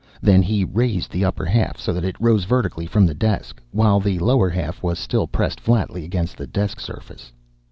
Then he raised the upper half so that it rose vertically from the desk, while the lower half was still pressed flatly against the desk surface.